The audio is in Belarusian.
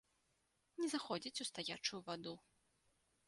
Не заходзіць у стаячую ваду.